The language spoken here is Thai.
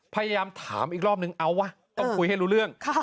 พยายามถามอีกรอบนึงเอาวะต้องคุยให้รู้เรื่อง